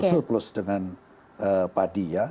close dengan padi ya